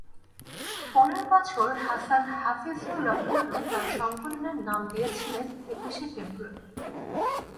পরের বছর হাসান হাফিজুর রহমানও তাঁর সংকলনের নাম দিয়েছিলেন একুশে ফেব্রুয়ারি।